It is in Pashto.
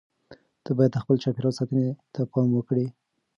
ته باید د خپل چاپیریال ساتنې ته پام وکړې.